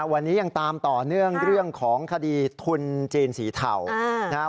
วันนี้ยังตามต่อเนื่องเรื่องของคดีทุนจีนสีเทานะครับ